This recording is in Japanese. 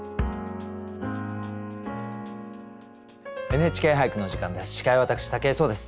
「ＮＨＫ俳句」の時間です。